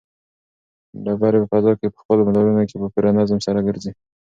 ډبرې په فضا کې په خپلو مدارونو کې په پوره نظم سره ګرځي.